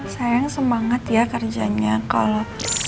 sayang semangat ya kerjanya kalau